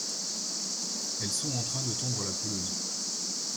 elles sont en train de tondre la pelouse.